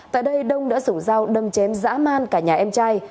tại đây đông đã sủng giao đâm chém dã man cả nhà em trai